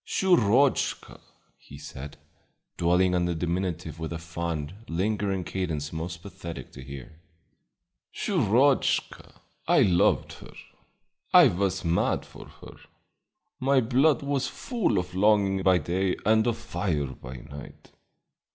"Shurochka!" he said, dwelling on the diminutive with a fond, lingering cadence most pathetic to hear. "Shurochka! I loved her; I was mad for her; my blood was full of longing by day and of fire by night.